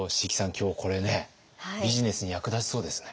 今日これねビジネスに役立ちそうですね。